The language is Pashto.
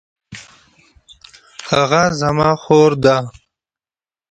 هغه زما خور ده